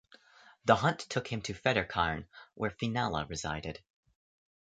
The hunt took him to Fettercairn, where Finella resided.